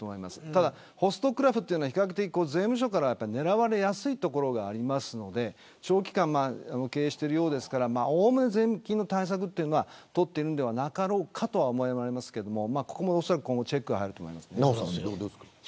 ただ、ホストクラブは比較的、税務署から狙われやすいところがありますので長期間経営しているようですからおおむね税金の対策は取っているんではなかろうかと思われますがナヲさんどうですか。